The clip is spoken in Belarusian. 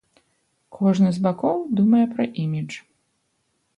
Кожны з бакоў думае пра імідж.